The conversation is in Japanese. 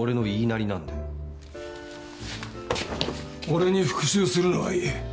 俺に復讐するのはいい